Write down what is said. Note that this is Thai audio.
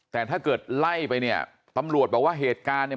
แต่ถ้าเกิดไล่ไปเนี่ยตำรวจบอกว่าเหตุการณ์เนี่ย